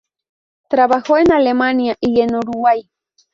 Trabajó en Alemania y en Uruguay.